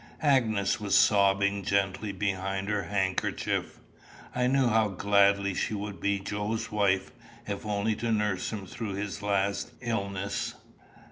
Agnes was sobbing gently behind her handkerchief. I knew how gladly she would be Joe's wife, if only to nurse him through his last illness.